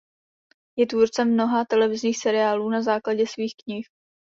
Je tvůrcem mnoha televizních seriálů na základě svých knih.